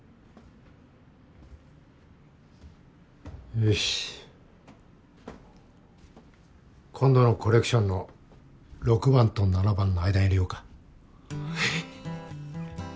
よし今度のコレクションの６番と７番の間に入れようかえっ！？